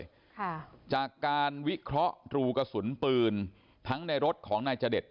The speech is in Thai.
ค่ะจากการวิเคราะห์รูกระสุนปืนทั้งในรถของนายจเดช